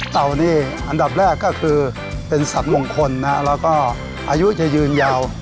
นี่อันดับแรกก็คือเป็นสัตว์มงคลนะแล้วก็อายุจะยืนยาว